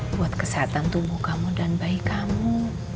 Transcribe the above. buat kesehatan tubuh kamu dan bayi kamu